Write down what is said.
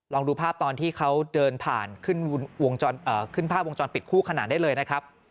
ลองดูภาพตอนที่เขาเดินผ่านขึ้นภาพวงจรปิดคู่ขนาดได้เลยนะครับ